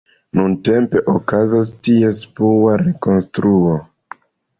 Nuntempe okazas ties plua rekonstruo.